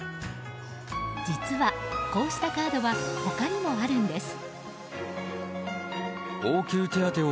実はこうしたカードは他にもあるんです。